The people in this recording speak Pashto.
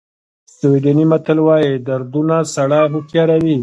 سویډني متل وایي دردونه سړی هوښیاروي.